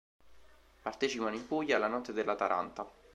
Partecipano in Puglia alla Notte della Taranta.